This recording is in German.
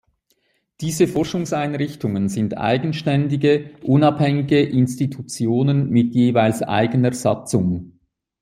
Diese Forschungseinrichtungen sind eigenständige, unabhängige Institutionen mit jeweils eigener Satzung.